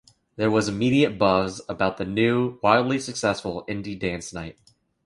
There was immediate buzz about the new, "wildly successful" indie dance night.